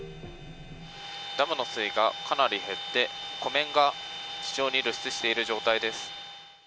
ダムの水位がかなり減って、湖面が非常に露出している状態です。